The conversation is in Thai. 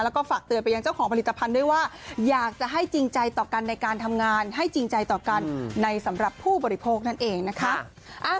แล้วก็ฝากเตือนไปยังเจ้าของผลิตภัณฑ์ด้วยว่าอยากจะให้จริงใจต่อกันในการทำงานให้จริงใจต่อกันในสำหรับผู้บริโภคนั่นเองนะคะ